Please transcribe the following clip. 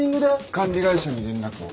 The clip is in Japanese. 管理会社に連絡を。